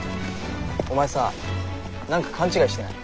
お前さ何か勘違いしてない？